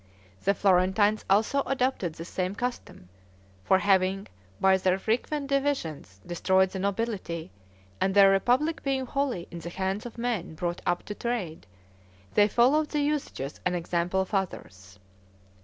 The Florentines also adopted the same custom, for having, by their frequent divisions, destroyed the nobility, and their republic being wholly in the hands of men brought up to trade, they followed the usages and example of others.